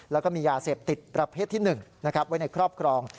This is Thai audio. แล้วก็มียาเสพติดประเภทที่๑ไว้ในครอบครอง